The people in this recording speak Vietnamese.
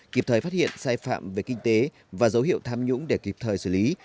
kịp thời phát hiện sai phạm về kinh tế và dấu hiệu tham nhũng để kịp thời xử lý